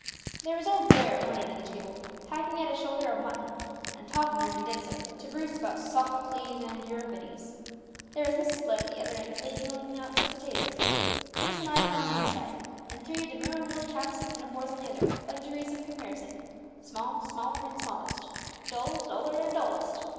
"There was old Blair at one end of the table, hacking at a shoulder of mutton, and talking, as he did so, to Bruce about Sophocles and Euripides. There was Mrs. Blair at the other end, ladling out the potatoes. Bruce and I sat on one side, and three demure little chaps in pinafores on the other, like degrees of comparison, small, smaller, and smallest; dull, duller, and dullest.